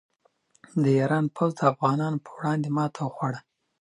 د ایران پوځ د افغانانو په وړاندې ماته وخوړه.